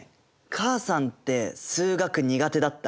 母さんって数学苦手だった？